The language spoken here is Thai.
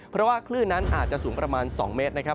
เพราะว่าคลื่นนั้นอาจจะสูงประมาณ๒เมตรนะครับ